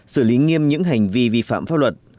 xử lý nghiêm những hành vi vi phạm pháp luật